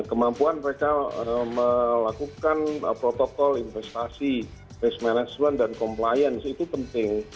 kemampuan mereka melakukan protokol investasi risk management dan compliance itu penting